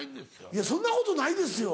いやそんなことないですよ。